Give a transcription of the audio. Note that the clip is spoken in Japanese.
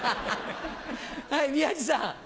はい宮治さん。